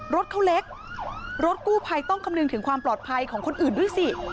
รถเขาเล็กรถกู้ภัยต้องคำนึงถึงความปลอดภัยของคนอื่นด้วยสิ